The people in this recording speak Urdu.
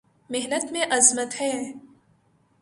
محنت میں عظمت ہے